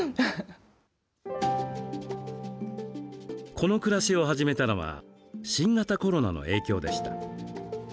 この暮らしを始めたのは新型コロナの影響でした。